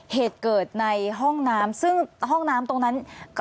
เหตุเกิดในห้องน้ำซึ่งห้องน้ำตรงนั้น